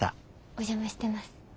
お邪魔してます。